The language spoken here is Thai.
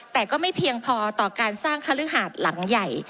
แต่ก็ไม่เพียงพอต่อการสร้างคฤหาดหลังใหญ่